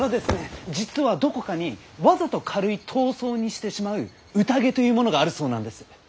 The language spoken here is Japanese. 実はどこかにわざと軽い痘瘡にしてしまう宴というものがあるそうなんです！